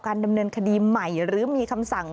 ดำเนินคดีใหม่หรือมีคำสั่ง